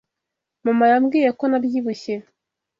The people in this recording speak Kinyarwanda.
Mama yambwiye ko nabyibushye.